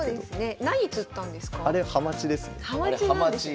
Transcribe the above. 何釣ったんですか？